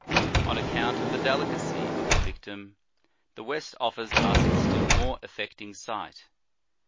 "* On account of the delicacy of the victim, the West offers us a still more affecting sight.